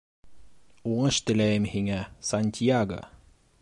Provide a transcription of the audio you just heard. — Уңыш теләйем һиңә, Сантьяго.